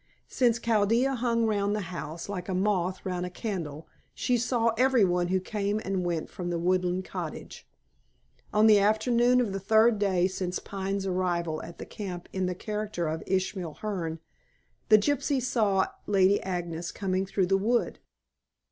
Since Chaldea hung round the house, like a moth round a candle, she saw every one who came and went from the woodland cottage. On the afternoon of the third day since Pine's arrival at the camp in the character of Ishmael Hearne, the gypsy saw Lady Agnes coming through the wood.